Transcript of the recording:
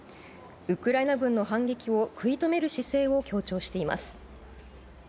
ウクライナ軍の反撃を食い止める姿勢を強調しています。